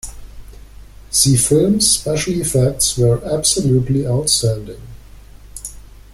The film's special effects were absolutely outstanding.